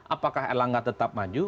apakah erlangga tetap maju